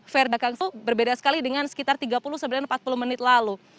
ferry bakang suhu berbeda sekali dengan sekitar tiga puluh sampai empat puluh menit lalu